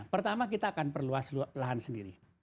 pertama kita akan perluas lahan sendiri